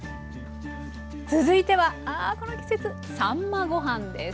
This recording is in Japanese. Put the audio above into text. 続いてはああこの季節さんまご飯です。